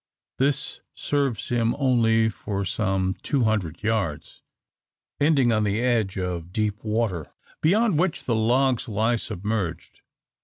This serves him only for some two hundred yards, ending on the edge of deep water, beyond which the logs lie submerged.